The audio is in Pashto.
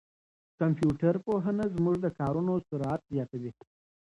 کمپيوټر پوهنه زموږ د کارونو سرعت زیاتوي.